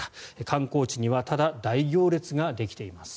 観光地にはただ大行列ができています。